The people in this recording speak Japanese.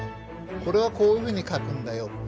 これはこういうふうに描くんだよっていうのが。